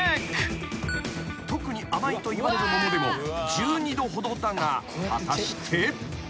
［特に甘いといわれる桃でも１２度ほどだが果たして］